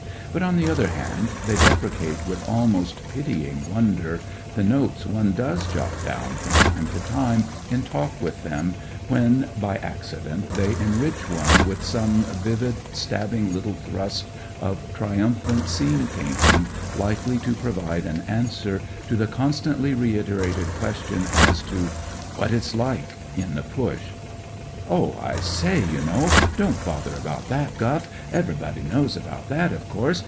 But, on the other hand, they deprecate with almost pitying wonder the notes one does jot down from time to time in talk with them, when (by accident) they enrich one with some vivid, stabbing little thrust of triumphant scene painting likely to provide an answer to the constantly re iterated question as to "what it*s like" in the Push. " Oh, I say, you know, don't bother about that guff. Everyone knows about that, of course.